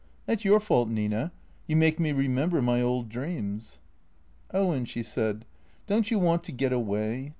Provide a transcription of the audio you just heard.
" That 's your fault, Nina. You make me remember my old dreams." " Owen," she said, " don't you want to get away